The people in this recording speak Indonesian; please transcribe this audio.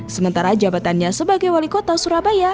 sementara jabatannya sebagai wali kota surabaya